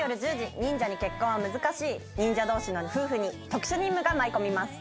『忍者に結婚は難しい』忍者同士の夫婦に特殊任務が舞い込みます。